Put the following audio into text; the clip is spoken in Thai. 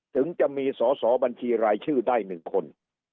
ถึงจะมีสอสอบัญชีรายชื่อได้๑คน